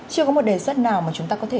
chưa có một đề xuất nào mà chúng ta có thể